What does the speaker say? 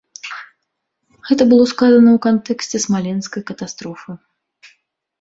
Гэта было сказана ў кантэксце смаленскай катастрофы.